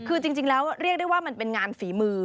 คือจริงแล้วเรียกได้ว่ามันเป็นงานฝีมือ